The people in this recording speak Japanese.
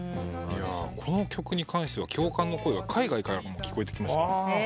この曲に関しては共感の声が海外からも聞こえてきましたよ。